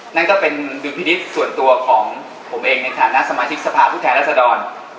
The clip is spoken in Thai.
นั่นก็เป็นดุลพินิษฐ์ส่วนตัวของผมเองในฐานะสมาชิกสภาพผู้แทนรัศดร